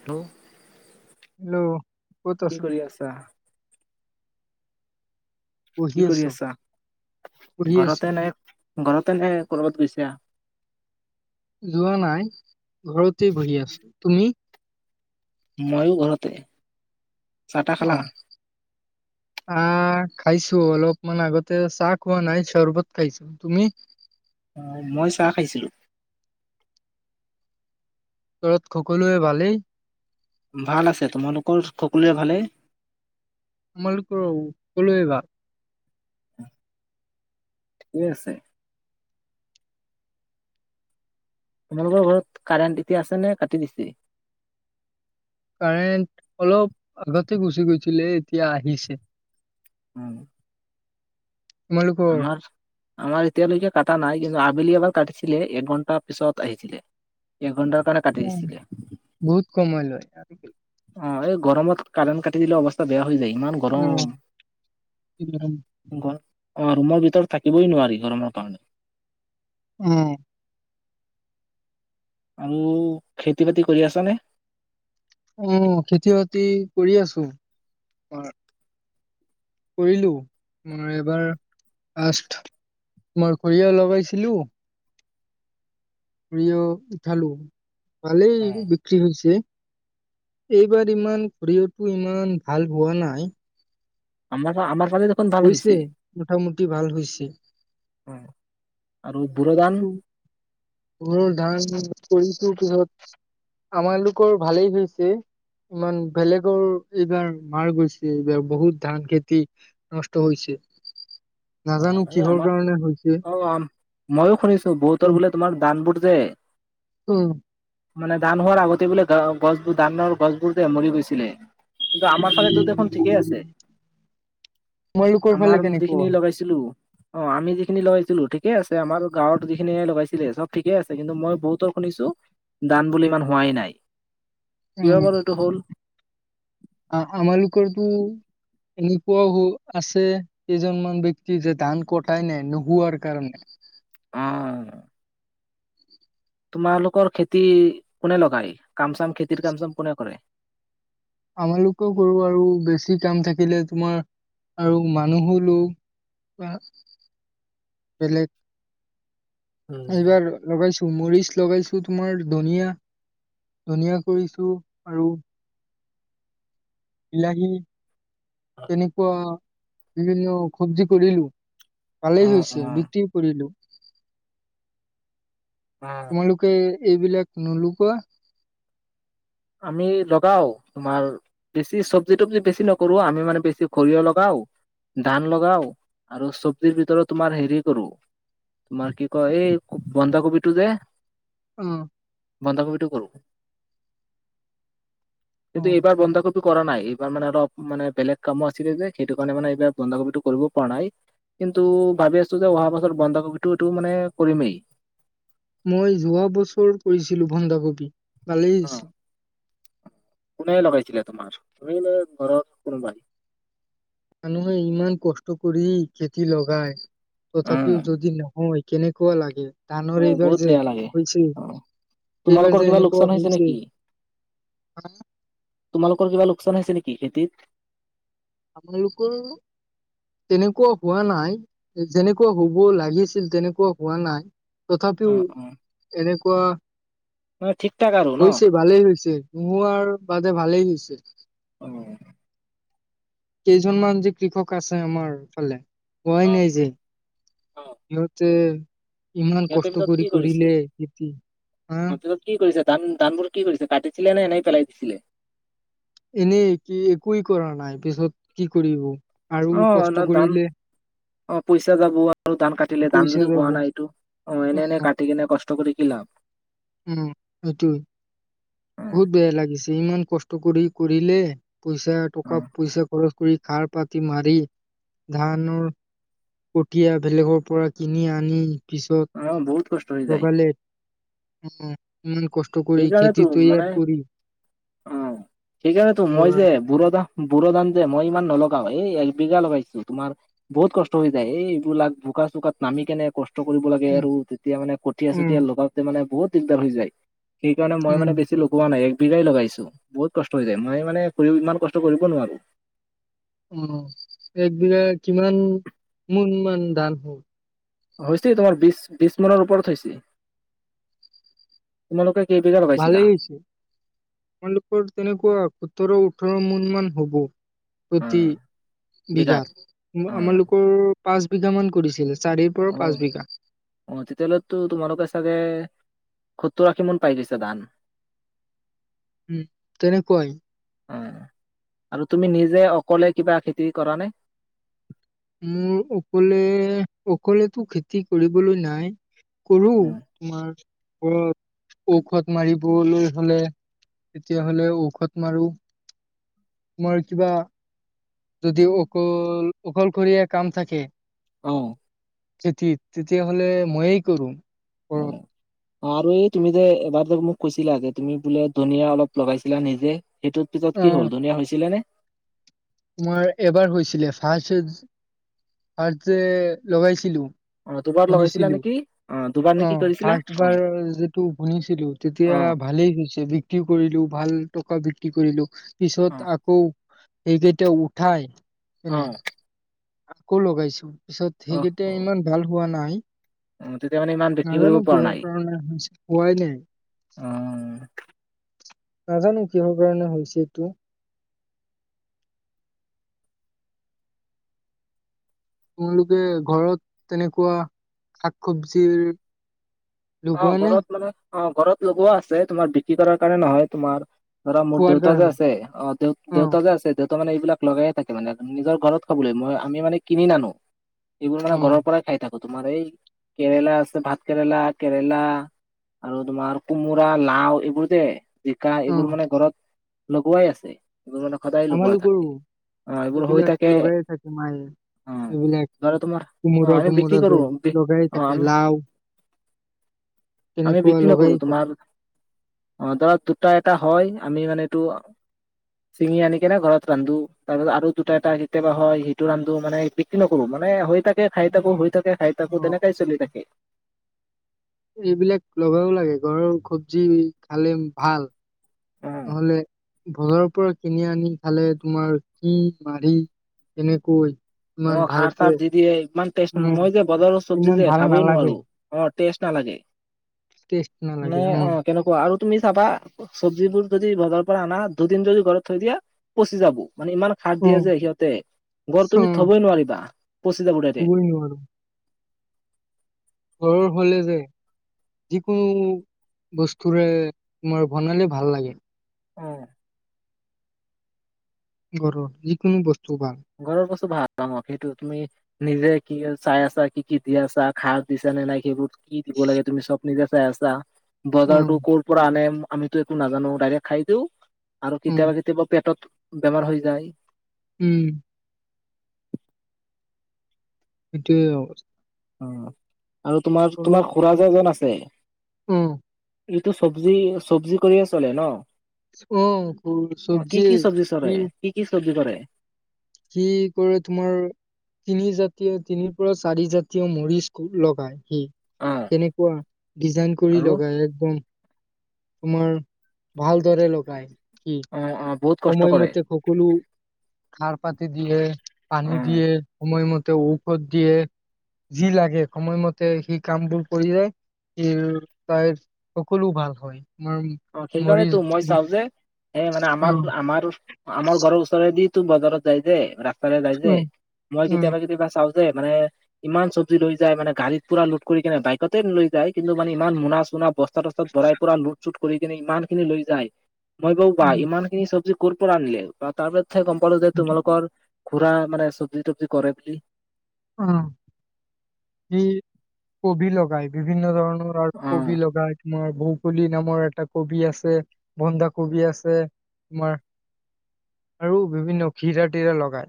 Hello ', hello, ক'ত আছ? [unintelligible] বহি কি কৰি আছো, আছা? বহি আছো, ঘৰতে নাই ঘৰতে নাই কৰ'বাত গৈছা? যোৱা নাই। ঘৰতে বহি আছো, তুমি? ময়ো ঘৰতে। চাহ তাহ অ', [inaudible] আহ', খাইছো, অলপমান আগতে চাহ খোৱা নাই চৰ্বত খাইছো। তুমি? অ', মই চাহ খাইছিলো। ঘৰত সকলোৱে ভালেই। ভাল আছে। তোমালোকৰ সকলোৱে ভালেই? [unintelligible] সকলোৰে ভাল। [unintelligible] ঠিকে আছে। তোমালোকৰ ঘৰত কাৰেণ্ট এতিয়া আছে নে, কাটি দিছে? কাৰেন্ত অলপ আগতে গুচি গৈছিলে। এতিয়া আহিছে। উম', তোমালোকৰ আমাৰ আমাৰ এতিয়ালৈকে কটা নাই। কিন্তু, আবেলি এবাৰ কাটিছিলে। এক ঘন্টা পিছত আহিছিলে। এঘন্টাৰ কাৰণে কাটি উম, দিছিলে। বহুত সময় লয়। অ', এই গৰমত কাৰেণ্ট কাটি দিলে। অৱস্থা বেয়া হৈ যায়। ইমান গৰম গৰ অ', ৰুমৰ ভিতৰত থাকিবই নোৱাৰি। গৰমৰ কাৰণে, উম', আৰু খেতি-বাতি কৰি আছা নে? উম', খেতি-বাতি কৰি আছো। [unintelligible] কৰিলো। উম, এবাৰ লাষ্ট মই সৰিয়হ লগাইছিলো। সৰিয়হ উঠালো, ভালেই বিক্ৰী হৈছে। এইবাৰ ইমান সৰিয়হটো ইমান ভাল হোৱা নাই। আমাৰটো আমাৰ ফালেটো হৈছে। মোটামুটি ভাল হৈছে। উম', আৰু বুুৰুধান? বুৰুধান ধান কৰিছো। পিছত আমালোকৰ ভালেই হৈছে। ইমান বেলেগৰ এইবাৰ মাৰ গৈছে, এইবাৰ বহুত ধান খেতি নষ্ট হৈছে। অ নাজানো এই কিহৰ আমাৰ কাৰণে হৈছে। অ', মইয়ো শুনিছোঁ। উম, বহুতৰ বোলে তোমাৰ ধানবোৰ যে উম', মানে ধান হোৱাৰ আগতে বোলে গা অ, গছবোৰ, ধানৰ গছবোৰ যে মৰি গৈছিলে। কিন্তু, আমাৰ ফালেটো দেখোন ঠিকেই আছে। তোমালোকৰ ফালে আমাৰ কেনেকুৱা যিখিনি হয় লগাইছ ছিলো অ', আমি যিখিনি লগাইছিলো ঠিকে আছে। আমাৰ গাঁৱত যিখিনিয়ে লগাইছিলে চব ঠিকে আছে। কিন্তু, মই বহুতৰ শুনিছোঁ। ধান বোলে। ইমান হোৱাই নাই। কিয় উম', বাৰু এইটো হ'ল আ-আমালোকৰ টো এনেকুৱাও [unintelligible] আছে কেইজনমান ব্যক্তি যে ধান কটাই নাই, নোহোৱাৰ কাৰণে। অ তোমালোকৰ খেতি কোনে লগায়? কাম-চাম খেতিৰ কাম-চাম কোনে কৰে? আমালোকেও কৰোঁ, আৰু বেছি কাম থাকিলে তোমাৰ আৰু মানুহো লওঁ। আ, বেলেগ উম এইবাৰ লগাইছোঁ মৰিচ লগাইছো, তোমাৰ ধনিয়া, ধনিয়া কৰিছোঁ, আৰু বিলাহী তেনেকুৱা বিভিন্ন চব্জি কৰিলোঁ। ভালেই অ হৈছে, অ বিক্ৰীও কৰিলোঁ। তোমালোক কে এইবিলাক নোলগোৱা? আমি লগাও, তোমাৰ বেছি চব্জি-তব্জি বেছি নকৰোঁ, আমি মানে বেছি সৰিয়হ লগাওঁ ধান লগাও, আৰু চব্জিৰ ভিতৰত তোমাৰ হেৰি কৰোঁ তোমাৰ কি কয়, এই বন্ধাকবি টো যে। উম। বন্ধাকবিটো কৰোঁ। অ কিন্তু, এইবাৰ বন্ধা কবি টো কৰা নাই, এইবাৰ মানে অলপ মানে বেলেগ কামো আছিলে যে, সেইটো কাৰণে মানে এইবাৰ বন্ধাকবিটো কৰিব পৰা নাই। কিন্তু, ভাবি আছোঁ যে, অহা বছৰ বন্ধাকবিটো এইটো মানে কৰিমেই। মই যোৱা বছৰ কৰিছিলোঁ বন্ধাকবি, ভালেই অ হৈছিল। কোনে লগাইছিলে তোমাৰ, তুমি নে ঘৰত কোনোবাই? মানুহে ইমান কষ্ট কৰি খেতি লগায়, অ তথাপিও যদি নহয়? কেনেকুৱা লাগে? অ ধানৰ এইবাৰ বহুত যে বেয়া লাগে হৈছে, অ তোমালোকৰ এইবাৰ যে কিবা লোকচান এনেকুৱা হৈছে নেকি [unintelligible] তোমালোকৰ কিবা লোকচান হৈছে নেকি খেতিত? [unintelligible] তেনেকুৱা হোৱা নাই, যেনেকুৱা হ'ব লাগিছিল, তেনেকুৱা হোৱা নাই। অ তথাপিও অ এনেকুৱা মানে ঠিক ঠাক আৰু ন হৈছে ভালেই হৈছে, মোৰ আৰু বাদে ভালেই হৈছে। অ। কেইজনমান যি কৃষক আছে আমাৰফালে [unintelligible] অ নাই যে অ সিঁহতে ইমান সিহঁতে কষ্ট পিছত কি কৰি কৰিছে কৰিলে খেতি হা! অ', পিছত কি কৰিছে ধান ধানবোৰ কি কৰিছে কাটিছিলে নে এনেই পেলাই দিছিলে। এনেই কি একোৱ কৰা নাই, পিছত কি কৰিব, আৰু অ ন কষ্ট ধান কৰিলে অ, পইচা যাব আৰু ধান কাটিলে, ধান পইচা যদি যাব পোৱা নাই এইটো অ, এনে-এনে উম কাটি কেনে কষ্ট কৰি কি লাভ। উম, সেইটোৱে। অ বহুত বেয়া লাগিছে, ইমান কষ্ট কৰি কৰিলে, পইচা অ টকা-পইচা খৰচ কৰি খাৰ-পাতি মাৰি, ধানৰ কঠীয়া বেলেগৰ পৰা কিনি আনি অ বহুত কষ্ট হৈ পিছত যায় লগালে, ইমান কষ্ট কৰি সেইকাৰণেতো খেতিত। মানে অ, সেইকাৰণেতো মই লগা যে বুঢ়া ধা বু়ৰ ধান যে মই ইমান নলগাও, এই একবিঘা লগাইছো, তোমাৰ বহুত কষ্ট হৈ যায়, এই এইবিলাক বোকা-চোকাত নামি কেনে কষ্ট কষ্ট কৰিব লাগে উম আৰু তেতিয়া মানে কঠীয়া উম চঠীয়া লগাওঁতে মানে বহুত দিগদাৰ হৈ যায়। সেইকাৰণে মই উম মানে বেছি লগুৱা নাই এক বিঘাই লগাইছোঁ বহুত কষ্ট হৈ যায় মই মানে ইমান কষ্ট কৰিব নোৱাৰোঁ। উম, এক বিঘাই কিমান মোন মান ধান হ'ল? হৈছে তোমাৰ বিশ বিশ মোনৰ ওপৰত হৈছে। তোমালোকে কেই বিঘা ভালেই হৈছে তোমালোকৰ তেনেকুৱা সোতৰ ওঠৰ মোন মান হ'ব। প্ৰতি অ', বিঘাত। অ', আমালোকৰ পাঁচ বিঘা মান কৰিছিল চাৰিৰ পৰা অ', পাঁচ বিঘা। অ', তেতিয়া হ'লেতো তোমালোকে চাগে সত্তৰ আষী মোন পাই গৈছা ধান। [inaudible] উম, তেনেকুৱাই। অ', আৰু তুমি নিজে অকলে কিবা খেতি কৰা নে? মোৰ অকলে অকলেতো খেতি কৰিবলৈ নাই কৰো। তোমাৰ ঔষধ মাৰিবলৈ হ'লে। তেতিয়াহ'লে ঔষধ মাৰো। তোমাৰ কিবা যদি অকল অকল অকলশৰীয়া কাম থাকে। অ'। খেতিত তেতিয়াহ'লে মইয়ে কৰো। অ উম। অ', আৰু এই তুমি যে এবাৰ যে মোক কৈছিলা যে তুমি বোলে ধনীয়া অলপ লগাইছিলা নিজে। সেইটোত পিছত কি হ'ল ধনীয়া হৈছিলে নে? তোমাৰ এবাৰ হৈছিলে ফাষ্ট ফাৰ্ষ্ট যে লগাইছিলো। অ দুবাৰ লগাইছিলা ভুনিছিলো নেকি? অ দুবাৰ নে অ' কি কৰিছিলা? ফাৰ্ষ্ট অ বাৰ যিটো ভুনিছিলো অ তেতিয়া ভালেই হৈছে বিক্ৰী কৰিলো ভাল টকা বিক্ৰী কৰিলো। অ পিছত আকৌ সেইকেইটা উঠাই অ কেনে আকৌ লগাইছো। পিছত অহ সেইকেইটা ইমান ভাল হোৱা নাই। অ তেতিয়া মানে ইমান বিক্ৰী কৰিব নাজানো পৰা কিহৰ নাই। কাৰণে হৈছে পোৱাই নাই। অ'। নাজানো কিহৰ কাৰণে হৈছে এইটো। তোমলোকে ঘৰত তেনেকুৱা শাক চব্জিৰ অ', ঘৰত মানে অ' ঘৰত লগোৱা আছে তোমাৰ বিক্ৰী কৰাৰ কাৰণে নহয়। তোমাৰ ধৰা মোৰ খোৱাৰ দেউতা যে কাৰণে আছে অ' দে-দেউতা যে আছে দেউ ত' মানে এইবিলাক লগাই থাকে মানে নিজৰ ঘৰত খাবলৈ মই আমি মানে কিনি নানো। এইবোৰ মানে অ ঘৰৰ পৰাই খাই থাকো তোমাৰ এই কেৰেলা আছে ভাত কেৰেলা। কেৰেলা আৰু তোমাৰ কোমোৰা লাও এইবোৰ যে। জিকা অ এইবোৰ মানে ঘৰত লগোৱাই আছে এইবোৰ মানে সদায় লগোৱা আমালোকৰো থাকে। অ এইবোৰ হৈ এইবিলাক থাকে লগাইয়ে থাকে মায়ে। অ এইবিলাক ধৰা তোমাৰ অ কোমোৰা আমি বিক্ৰী তোমোৰা কৰো যে লগাই অ থাকে আমি লাও। আমি তেনেকুৱা বিক্ৰী লগাই নকৰো থাকে তোমাৰ অ' ধৰা দুটা এটা হয় আমি মানে এইটো [inaudible] চিঙি আনি কেনে ঘৰত ৰান্ধো। তাৰপিছত আৰু দুটা এটা কেতিয়াবা হয় সেইটো ৰান্ধো মানে বিক্ৰী নকৰো মানে হয় থা কে খাই থাকো হৈ খাই থাকে খাই অ থাকো তেনেকাই চলি থাকে। এইবিলাক লগাব লাগে ঘৰৰ চব্জি খালে ভাল। অ নহ'লে বজাৰৰ পৰা কিনি আনি খালে, তোমাৰ কি মাৰি কেনেকৈ? ইমান অ' খাৰ ভালকে চাৰ দি দিয়ে ইমান টেষ্ট অ মই যে বজাৰৰ চব্জি ইমান যে ভাল খাবই নালাগে নোৱাৰো। অ' টেষ্ট নালাগে টেষ্ট নালাগে নে অ' কেনেকুৱা আৰু তুমি চাবা চব্জিবোৰ যদি বজাৰৰ পৰা আনা দুদিন যদি ঘৰত থৈ দিয়া পচি যাব মানে ইমান। সাৰ অ দিয়ে যে সিহঁতে ঘৰত চ- তুমি অ থবই নোৱাৰিবা পঁচি যাব ডাইৰেক্ট। থবই নোৱাৰো। ঘৰৰ হ'লে যে যিকোনো বস্তুৰে তোমাৰ বনালে ভাল লাগে। উম। ঘৰৰ যিকোনো বস্তু ভাল। ঘৰৰ বস্তু ভাল অ' সেইটো তুমি। নিজে কি চাই আছা, কি কি দি আছা সাৰ দিছা নে নাই সেইবোৰ কি দিব লাগে তুমি নিজে চাই আছা। উম বজাৰতো ক'ৰ পৰা আনে আমিতো একো নাজানো ডাইৰেক্ট খাই দিও। আৰু উম কেতিয়াবা কেতিয়াবা পেটত বেমাৰ হৈ যায়। উম। সেইটোৱে [unintelligible] অ' আৰু তোমাৰ তোমাৰ খুৰা যে এজন আছে। উম। এইটো চব্জি চব্জি কৰিয়ে চলে ন' অ'সৰু অ কি চব্জি কি চলে সি কি কি চব্জি কৰে। সি কৰে তোমাৰ তিনি জাতীয় তিনিৰ পৰা চাৰি জাতীয় মৰিচ লগায়। সি অ কেনেকুৱা ডিজাইন কৰি আৰু লগাই একদম। তোমাৰ ভাল দৰে লগাই সি। অ' অ' বহুত কষ্ট কৰে সময়মতে সকলো সাৰ পাতি দিয়ে। অ পানী দিয়ে সময়মতে ঔষধ দিয়ে। যি লাগে সময়মতে সি কামবোৰ কৰি যায়। [unintelligible] তাইৰ সকলো ভাল হয় আমাৰ অ' মৰিচ সেইকাৰণেতো মই চাও যে সেই মানে আমাৰ উম আমাৰ আমাৰ ঘৰৰ ওচৰেদি তোৰ বজাৰত যাই যে, ৰাস্তাৰে যাই যে উম মই উম কেতিয়াবা কেতিয়াবা চাওঁ যে মানে ইমান চবজি লৈ যায় মানে গাড়ীত পুৰা লোড কৰি কেনে বাইকতেই ন লৈ যায় কিন্তু মানে ইমান মোনা চুনা বস্তু। বস্তা সস্তাত ভৰাই পুৰা লোট চোট কৰি কিনে ইমান খিনি লৈ যায় মই বাৰু ইমান। উম ইমান খিনি চব্জি কৰ পৰা আনিলে বা তাৰ পা চাই গম পালো যে সেইটো। তোমালোকৰ খুৰা মানে চব্জি তব্জি কৰে বুলি অ' সি কবি লগাই বিভিন্ন ধৰণৰ অ কবি লগাই তোমাৰ বহু। কলি নামৰ এটা কবি আছে বন্ধা কবি আছে তোমাৰ আৰু বিভিন্ন খীৰা তিৰা লগাই।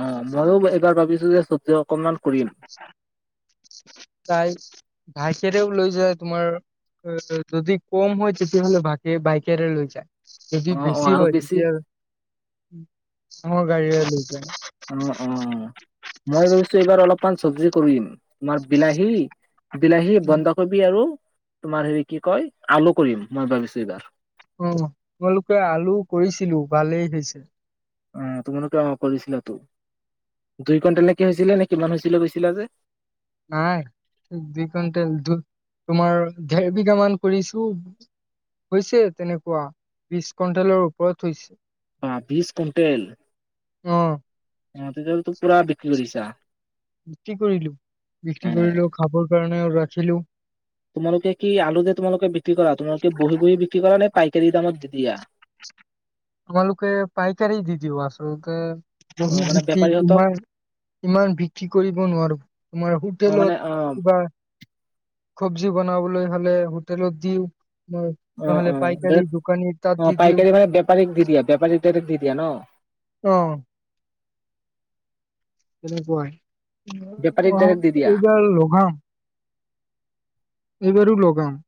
অ' ময়ো এইবাৰ ভাবিচিলো যে [inaudible] তাই [inaudible] লৈ যায় তোমাৰ যদি কম হয় তেতিয়া হ'লে বাকে বাইকৰে লৈ যায়। যদি অ অ বেছি আৰু হয়, তেতিয়া ডাঙৰ গাড়ীৰে লৈ যায়। অ', অ', মই ভাবিছোঁ এইবাৰ অলপমান চবজি কৰিম। তোমাৰ বিলাহী, বিলাহী, বন্ধাকবি আৰু তোমাৰ হেৰি কি কয় আলু কৰিম মই ভাবিছোঁ এইবাৰ। উ, তোমালোকে আলু কৰিছিলোঁ ভালেই হৈছে। অ' তোমালোকে অ' কৰিছিলাতো, দুই কুইণ্টেল নেকি হৈছিলে নে কিমান হৈছিলে কৈছিলা যে। নাই দুই কুইণ্টেল দু তোমাৰ ডেৰ বিঘামান কৰিছোঁ হৈছে তেনেকুৱা বিছ কুইণ্টেলৰ ওপৰত হৈছে। অ' বিছ কুইণ্টেল, অ অ' তেতিয়া বিক্ৰী কৰিলোঁ, বিক্ৰী অ কৰিলোঁ খাবৰ কাৰণেও ৰাখিলোঁ। তোমালোকে কি আলু যে তোমালোকে বিক্ৰী কৰা, তোমালোকে বহি বহি বিক্ৰী কৰা নে পাইকাৰীৰ দামত দি দিয়া? আমালোকে পাইকাৰি দি দিওঁ, আচলতে অ বহি মানে বিক্ৰী বেপাৰীহঁতক ইমান ইমান বিক্ৰী কৰিব নোৱাৰোঁ, তোমাৰ অ মানে হোটেলত অ কিবা সবজি বনাবলৈ হ'লে হোটেলত দিওঁ। অ', অ' বেলেক তাত অ' দি দিও পাইকাৰী মানে বেপাৰীক দি দিয়া, বেপাৰীক ডাইৰেক্ট দি দিয়া ন'? অ'। তেনেকুৱাই। বেপাৰীক অহা, ডাইৰেক্ট দি দিয়া এইবাৰ লগাম। এইবাৰো লগাম।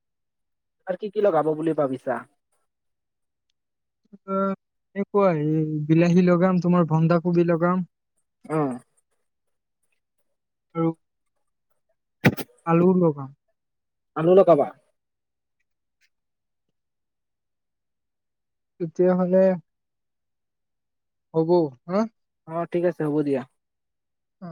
আৰু কি কি লগাব বুলি ভাবিছা? অ' এনেকুৱাই বিলাহী লগাম, তোমাৰ বন্ধাাকবি লগাম। অ'। আৰু আলু লগাম। আলু লগাবা? তেতিয়াহ'লে হ'ব হা? অ' ঠিক আছে, হ'ব দিয়া। অ'।